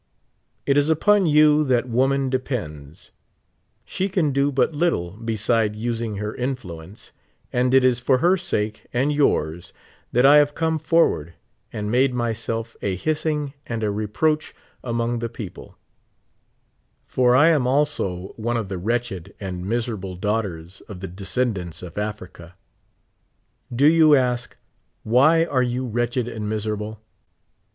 It is upon you that woman depends ; she can do but little beside using her influence ; and it is for her sake and \'ours that I have come for ward and made myself a hissing and a reproach among the people ; for I am also one of the wretched and mis erable daughters of the descendants of Africa. Do you ask :'• Wliy are you wretched and miserable?"